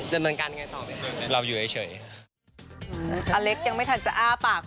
แล้วเราต้องเดินบริการยังไงต่อไปครับ